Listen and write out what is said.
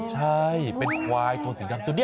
ใช่เป็นควายโทสิงหลังตัวนี้